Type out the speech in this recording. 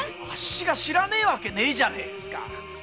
あっしが知らねえわけねえじゃねえですか！